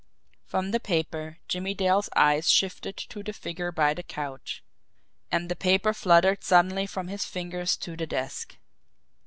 From the paper, Jimmie Dale's eyes shifted to the figure by the couch and the paper fluttered suddenly from his fingers to the desk.